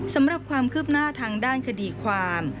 สำหรับความคืบหน้าทางด้านคดีความ